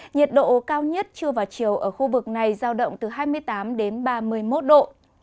nhiệt độ cao nhất trưa và chiều ở khu vực này giao động từ hai mươi tám đến ba mươi một độ